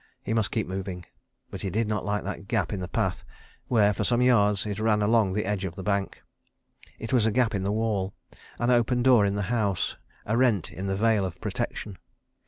He must keep moving. But he did not like that gap in the path where, for some yards, it ran along the edge of the bank. It was a gap in the wall, an open door in the house, a rent in the veil of protection.